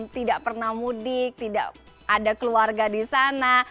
tidak pernah mudik tidak ada keluarga di sana